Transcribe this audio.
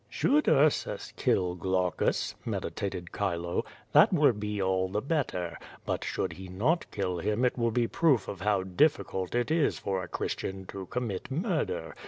"Should Ursus kill Glaucus," meditated Chile, "that wUl be all the better; but should he not kill him it will be proof of how difficult it is for a Christian to commit murder.